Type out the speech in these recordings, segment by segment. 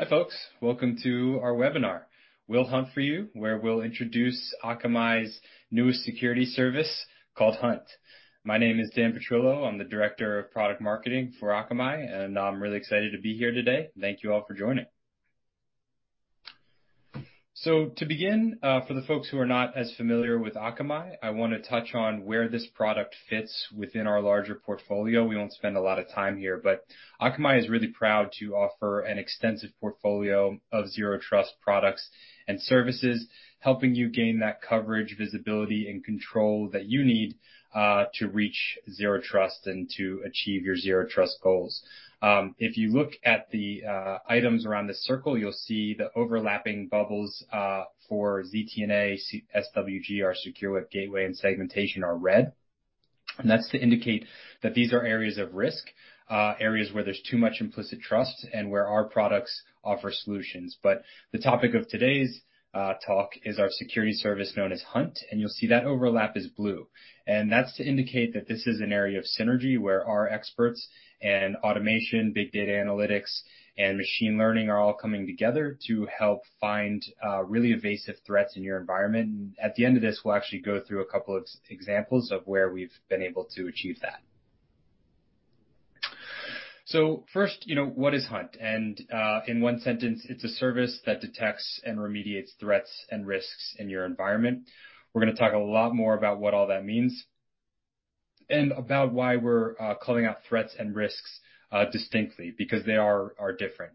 Hi, folks. Welcome to our webinar, We'll Hunt For You, where we'll introduce Akamai's newest security service called Akamai Hunt. My name is Dan Petrillo. I'm the Director of Product Marketing for Akamai, I'm really excited to be here today. Thank you all for joining. To begin, for the folks who are not as familiar with Akamai, I wanna touch on where this product fits within our larger portfolio. We won't spend a lot of time here, Akamai is really proud to offer an extensive portfolio of Zero Trust products and services, helping you gain that coverage, visibility, and control that you need to reach Zero Trust and to achieve your Zero Trust goals. If you look at the items around this circle, you'll see the overlapping bubbles for ZTNA, SWG, our Secure Web Gateway, and segmentation are red. That's to indicate that these are areas of risk, areas where there's too much implicit trust and where our products offer solutions. The topic of today's talk is our security service known as Hunt, and you'll see that overlap is blue. That's to indicate that this is an area of synergy where our experts and automation, big data analytics, and machine learning are all coming together to help find, really evasive threats in your environment. At the end of this, we'll actually go through a couple of examples of where we've been able to achieve that. First, you know, what is Hunt? In one sentence, it's a service that detects and remediates threats and risks in your environment. We're gonna talk a lot more about what all that means and about why we're calling out threats and risks distinctly because they are different.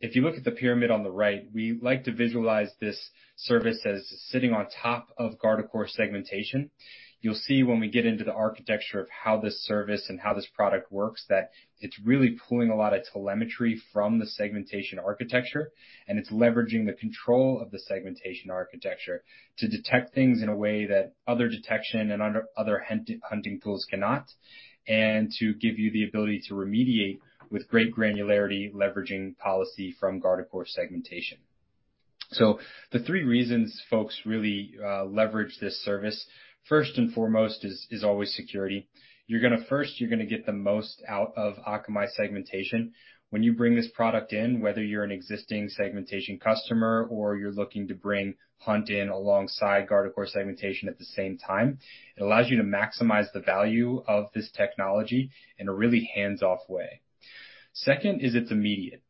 If you look at the pyramid on the right, we like to visualize this service as sitting on top of Guardicore Segmentation. You'll see when we get into the architecture of how this service and how this product works, that it's really pulling a lot of telemetry from the segmentation architecture, and it's leveraging the control of the segmentation architecture to detect things in a way that other detection and other hunt-hunting tools cannot, and to give you the ability to remediate with great granularity, leveraging policy from Guardicore Segmentation. The three reasons folks really leverage this service, first and foremost is always security. You're first, you're gonna get the most out of Akamai Segmentation. When you bring this product in, whether you're an existing segmentation customer or you're looking to bring Hunt in alongside Guardicore segmentation at the same time, it allows you to maximize the value of this technology in a really hands-off way. Second is it's immediate.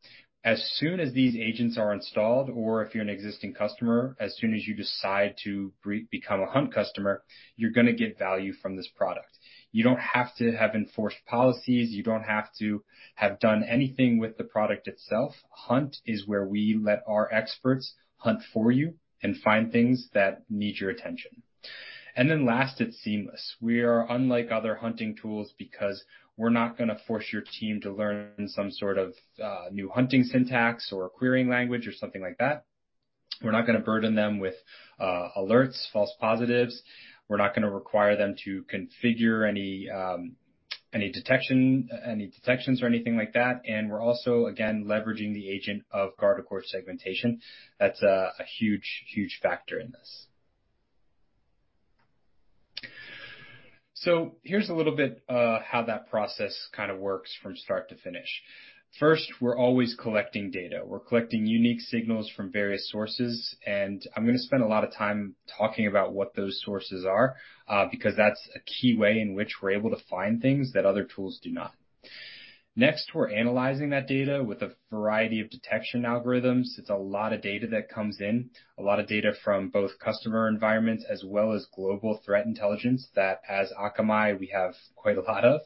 As soon as these agents are installed, or if you're an existing customer, as soon as you decide to become a Hunt customer, you're gonna get value from this product. You don't have to have enforced policies. You don't have to have done anything with the product itself. Hunt is where we let our experts hunt for you and find things that need your attention. Last, it's seamless. We are unlike other hunting tools because we're not gonna force your team to learn some sort of new hunting syntax or querying language or something like that. We're not gonna burden them with alerts, false positives. We're not gonna require them to configure any detections or anything like that. We're also, again, leveraging the agent of Guardicore Segmentation. That's a huge factor in this. Here's a little bit how that process kinda works from start to finish. First, we're always collecting data. We're collecting unique signals from various sources, and I'm gonna spend a lot of time talking about what those sources are, because that's a key way in which we're able to find things that other tools do not. Next, we're analyzing that data with a variety of detection algorithms. It's a lot of data that comes in, a lot of data from both customer environments as well as global threat intelligence that as Akamai, we have quite a lot of.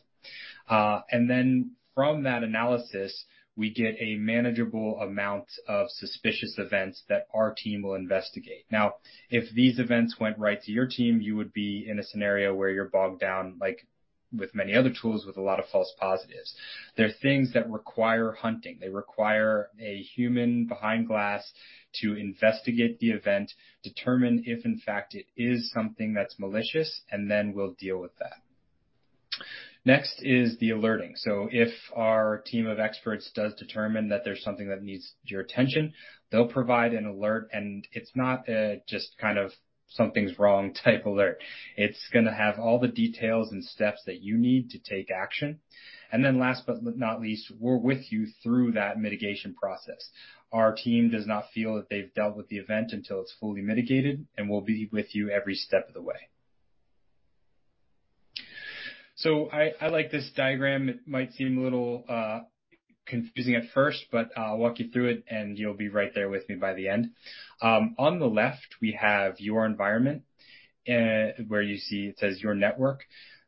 From that analysis, we get a manageable amount of suspicious events that our team will investigate. If these events went right to your team, you would be in a scenario where you're bogged down, like with many other tools, with a lot of false positives. They're things that require hunting. They require a human behind glass to investigate the event, determine if in fact it is something that's malicious, and then we'll deal with that. Next is the alerting. If our team of experts does determine that there's something that needs your attention, they'll provide an alert, and it's not a just kind of something's wrong type alert. It's gonna have all the details and steps that you need to take action. Last but not least, we're with you through that mitigation process. Our team does not feel that they've dealt with the event until it's fully mitigated, we'll be with you every step of the way. I like this diagram. It might seem a little confusing at first, but I'll walk you through it, and you'll be right there with me by the end. On the left we have your environment, where you see it says your network.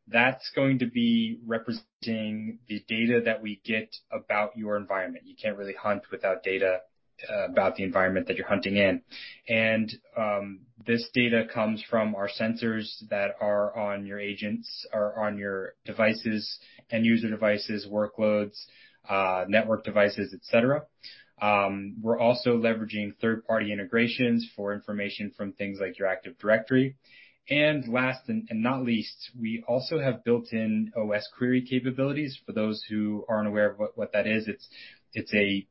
That's going to be representing the data that we get about your environment. You can't really hunt without data about the environment that you're hunting in. This data comes from our sensors that are on your agents or on your devices, end user devices, workloads, network devices, et cetera. We're also leveraging third-party integrations for information from things like your Active Directory. Last and not least, we also have built-in osquery capabilities. For those who aren't aware of what that is, it's a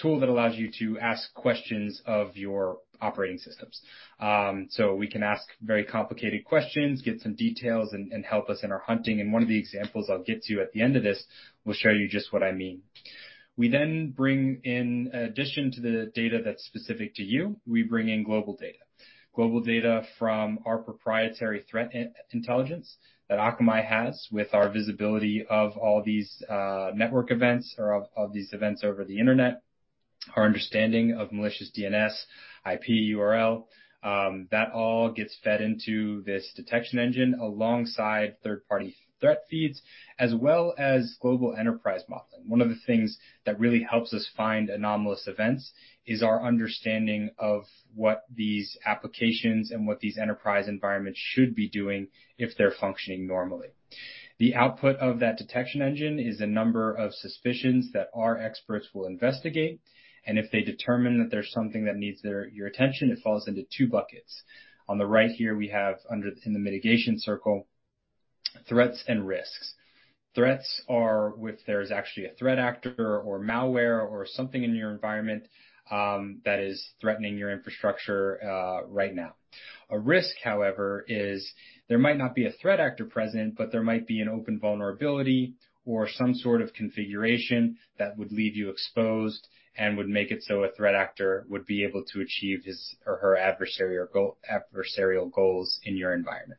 tool that allows you to ask questions of your operating systems. We can ask very complicated questions, get some details and help us in our hunting. One of the examples I'll get to at the end of this will show you just what I mean. In addition to the data that's specific to you, we bring in global data. Global data from our proprietary threat intelligence that Akamai has with our visibility of all these network events or of these events over the Internet. Our understanding of malicious DNS, IP, URL, that all gets fed into this detection engine alongside third-party threat feeds, as well as global enterprise modeling. One of the things that really helps us find anomalous events is our understanding of what these applications and what these enterprise environments should be doing if they're functioning normally. The output of that detection engine is a number of suspicions that our experts will investigate. If they determine that there's something that needs their, your attention, it falls into two buckets. On the right here, we have under, in the mitigation circle, threats and risks. Threats are if there is actually a threat actor or malware or something in your environment, that is threatening your infrastructure, right now. A risk, however, is there might not be a threat actor present, but there might be an open vulnerability or some sort of configuration that would leave you exposed and would make it so a threat actor would be able to achieve his or her adversarial goals in your environment.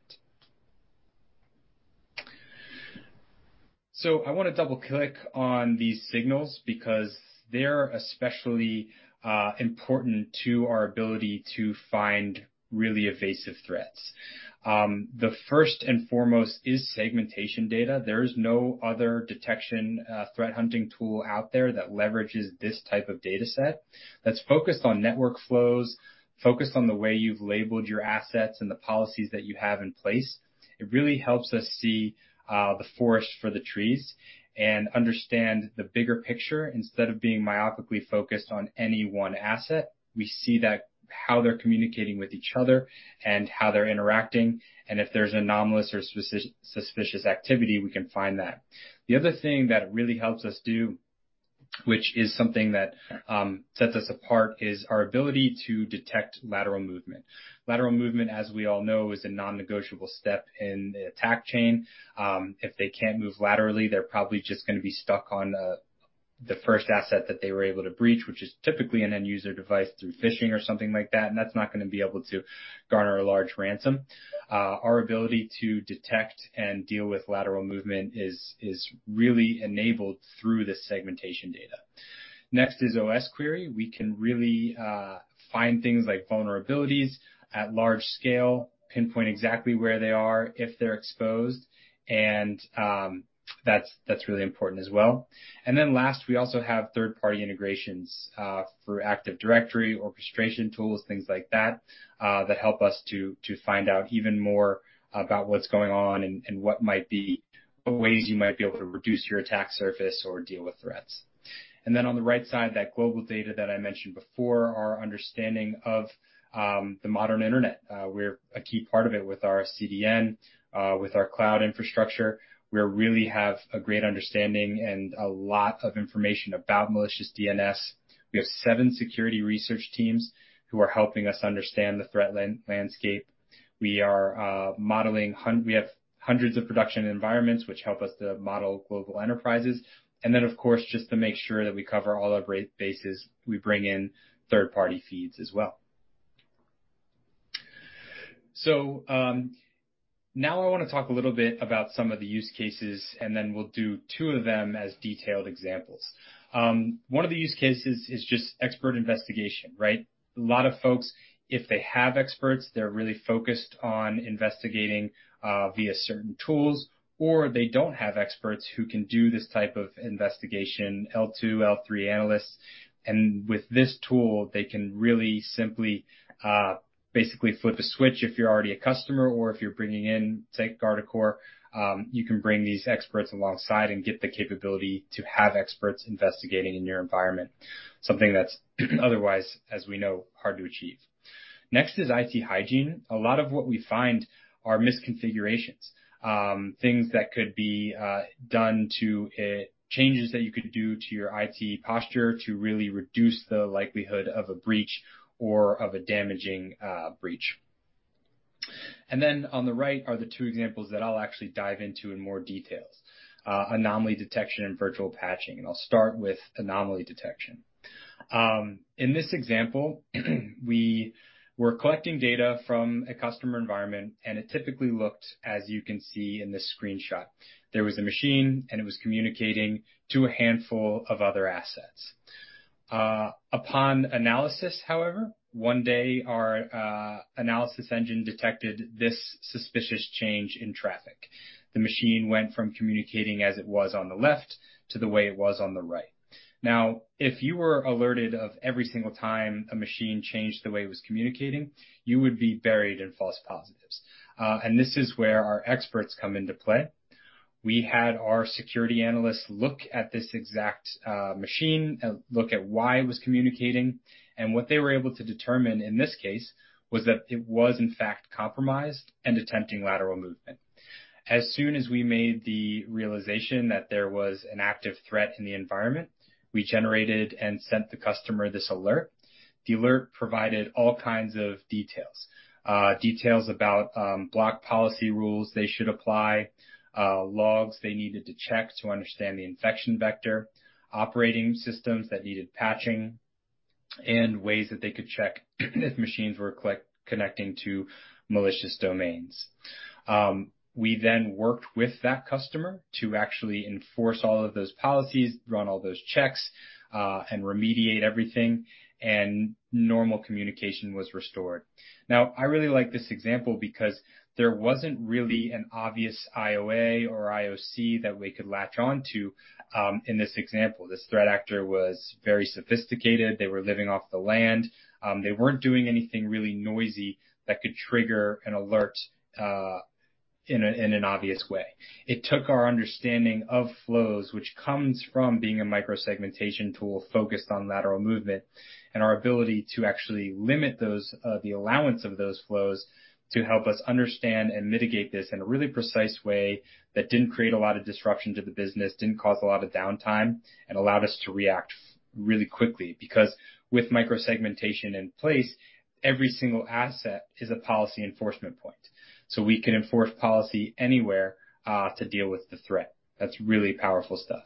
I wanna double-click on these signals because they're especially important to our ability to find really evasive threats. The first and foremost is segmentation data. There is no other detection, threat hunting tool out there that leverages this type of data set that's focused on network flows, focused on the way you've labeled your assets and the policies that you have in place. It really helps us see the forest for the trees and understand the bigger picture. Instead of being myopically focused on any one asset, we see that how they're communicating with each other and how they're interacting, and if there's anomalous or suspicious activity, we can find that. The other thing that it really helps us do, which is something that sets us apart, is our ability to detect lateral movement. Lateral movement, as we all know, is a non-negotiable step in the attack chain. If they can't move laterally, they're probably just gonna be stuck on the first asset that they were able to breach, which is typically an end user device through phishing or something like that, and that's not gonna be able to garner a large ransom. Our ability to detect and deal with lateral movement is really enabled through this segmentation data. Next is osquery. We can really find things like vulnerabilities at large scale, pinpoint exactly where they are, if they're exposed, that's really important as well. Last, we also have third-party integrations for Active Directory, orchestration tools, things like that that help us to find out even more about what's going on and what might be the ways you might be able to reduce your attack surface or deal with threats. On the right side, that global data that I mentioned before, our understanding of the modern Internet. We're a key part of it with our CDN, with our cloud infrastructure. We really have a great understanding and a lot of information about malicious DNS. We have seven security research teams who are helping us understand the threat landscape. We are modeling we have hundreds of production environments which help us to model global enterprises. Of course, just to make sure that we cover all our bases, we bring in third-party feeds as well. Now I wanna talk a little bit about some of the use cases, and then we'll do two of them as detailed examples. One of the use cases is just expert investigation, right? A lot of folks, if they have experts, they're really focused on investigating via certain tools, or they don't have experts who can do this type of investigation, L2, L3 analysts. With this tool, they can really simply, basically flip a switch if you're already a customer or if you're bringing in, say, Guardicore, you can bring these experts alongside and get the capability to have experts investigating in your environment, something that's otherwise, as we know, hard to achieve. Next is IT hygiene. A lot of what we find are misconfigurations, things that could be changes that you could do to your IT posture to really reduce the likelihood of a breach or of a damaging breach. On the right are the two examples that I'll actually dive into in more details, anomaly detection and virtual patching. I'll start with anomaly detection. In this example we were collecting data from a customer environment, and it typically looked, as you can see in this screenshot. There was a machine, and it was communicating to a handful of other assets. Upon analysis, however, one day our analysis engine detected this suspicious change in traffic. The machine went from communicating as it was on the left to the way it was on the right. If you were alerted of every single time a machine changed the way it was communicating, you would be buried in false positives. This is where our experts come into play. We had our security analysts look at this exact machine and look at why it was communicating. What they were able to determine in this case was that it was in fact compromised and attempting lateral movement. As soon as we made the realization that there was an active threat in the environment, we generated and sent the customer this alert. The alert provided all kinds of details. Details about block policy rules they should apply, logs they needed to check to understand the infection vector, operating systems that needed patching. Ways that they could check if machines were connecting to malicious domains. We then worked with that customer to actually enforce all of those policies, run all those checks, and remediate everything, normal communication was restored. I really like this example because there wasn't really an obvious IOA or IOC that we could latch on to in this example. This threat actor was very sophisticated. They were living off the land. They weren't doing anything really noisy that could trigger an alert in an obvious way. It took our understanding of flows, which comes from being a microsegmentation tool focused on lateral movement and our ability to actually limit those, the allowance of those flows to help us understand and mitigate this in a really precise way that didn't create a lot of disruption to the business, didn't cause a lot of downtime, and allowed us to react really quickly. With microsegmentation in place, every single asset is a policy enforcement point. We could enforce policy anywhere to deal with the threat. That's really powerful stuff.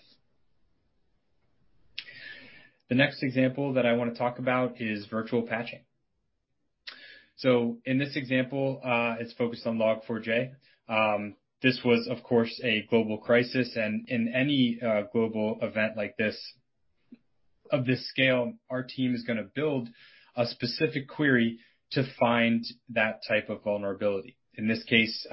The next example that I wanna talk about is virtual patching. In this example, it's focused on Log4j. This was, of course, a global crisis, and in any global event like this, of this scale, our team is gonna build a specific query to find that type of vulnerability. In this case,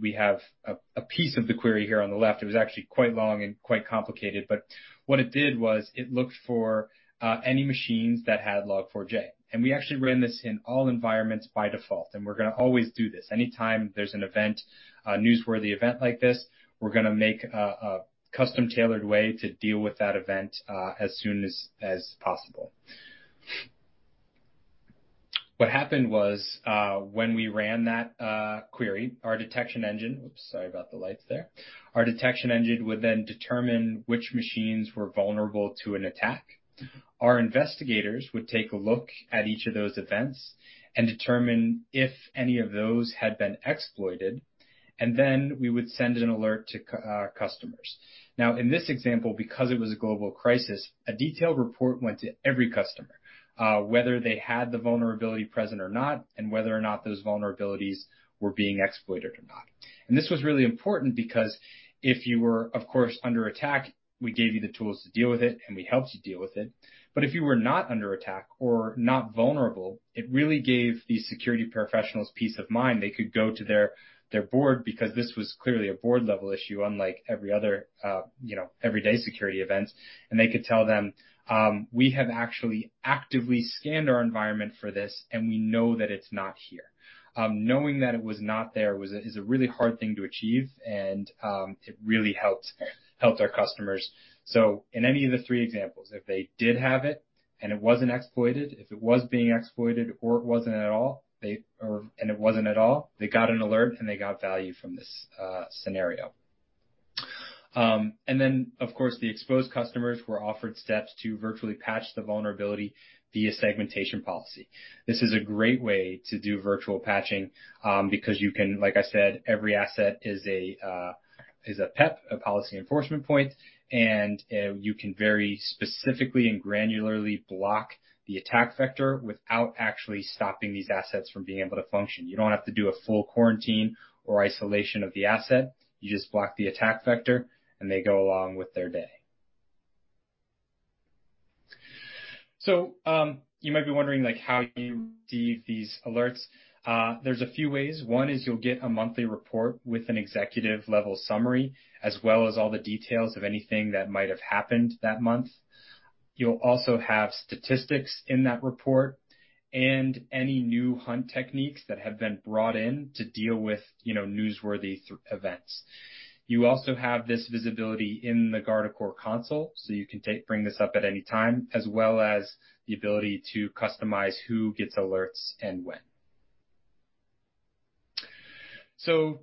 we have a piece of the query here on the left. It was actually quite long and quite complicated, but what it did was it looked for any machines that had Log4j. We actually ran this in all environments by default, and we're gonna always do this. Anytime there's an event, a newsworthy event like this, we're gonna make a custom-tailored way to deal with that event as soon as possible. What happened was, when we ran that query, our detection engine. Oops, sorry about the lights there. Our detection engine would then determine which machines were vulnerable to an attack. Our investigators would take a look at each of those events and determine if any of those had been exploited, and then we would send an alert to our customers. Now, in this example, because it was a global crisis, a detailed report went to every customer, whether they had the vulnerability present or not, and whether or not those vulnerabilities were being exploited or not. This was really important because if you were, of course, under attack, we gave you the tools to deal with it, and we helped you deal with it. If you were not under attack or not vulnerable, it really gave the security professionals peace of mind. They could go to their board because this was clearly a board-level issue, unlike every other, you know, everyday security event. They could tell them, "We have actually actively scanned our environment for this, and we know that it's not here." Knowing that it was not there was a, is a really hard thing to achieve, and it really helped our customers. In any of the three examples, if they did have it and it wasn't exploited, if it was being exploited or it wasn't at all, Or, and it wasn't at all, they got an alert, and they got value from this scenario. Then, of course, the exposed customers were offered steps to virtually patch the vulnerability via segmentation policy. This is a great way to do virtual patching, because you can, like I said, every asset is a, is a PEP, a policy enforcement point. You can very specifically and granularly block the attack vector without actually stopping these assets from being able to function. You don't have to do a full quarantine or isolation of the asset. You just block the attack vector, and they go along with their day. You might be wondering, like, how you receive these alerts. There's a few ways. One is you'll get a monthly report with an executive-level summary, as well as all the details of anything that might have happened that month. You'll also have statistics in that report and any new Hunt techniques that have been brought in to deal with, you know, newsworthy events. You also have this visibility in the Guardicore console, so you can bring this up at any time, as well as the ability to customize who gets alerts and when.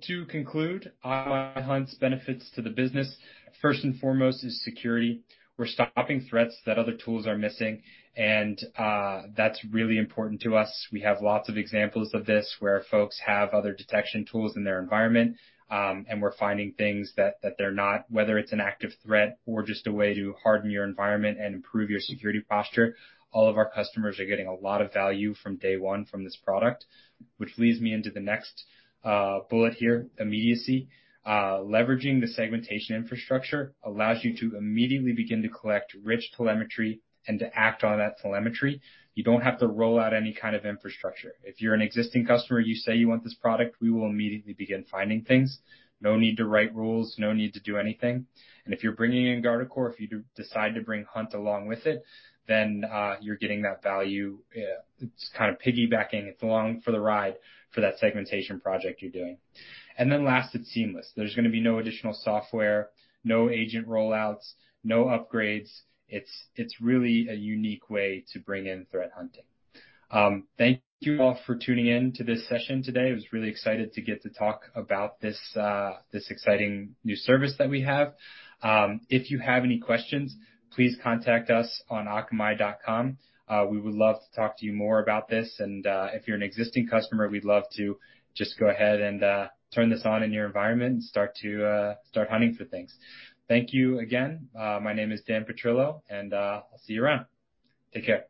To conclude, Hunt's benefits to the business, first and foremost, is security. We're stopping threats that other tools are missing, and that's really important to us. We have lots of examples of this where folks have other detection tools in their environment, and we're finding things that they're not. Whether it's an active threat or just a way to harden your environment and improve your security posture, all of our customers are getting a lot of value from day one from this product. Which leads me into the next bullet here, immediacy. Leveraging the segmentation infrastructure allows you to immediately begin to collect rich telemetry and to act on that telemetry. You don't have to roll out any kind of infrastructure. If you're an existing customer, you say you want this product, we will immediately begin finding things. No need to write rules, no need to do anything. If you're bringing in Guardicore, if you decide to bring Hunt along with it, you're getting that value. It's kind of piggybacking. It's along for the ride for that segmentation project you're doing. Last, it's seamless. There's gonna be no additional software, no agent rollouts, no upgrades. It's really a unique way to bring in threat hunting. Thank you all for tuning in to this session today. I was really excited to get to talk about this exciting new service that we have. If you have any questions, please contact us on akamai.com. We would love to talk to you more about this. If you're an existing customer, we'd love to just go ahead and turn this on in your environment and start to start hunting for things. Thank you again. My name is Dan Petrillo, and I'll see you around. Take care.